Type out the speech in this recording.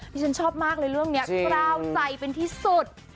ที่ฉันชอบมากเลยเรื่องนี้กล้าวใจเป็นที่สุด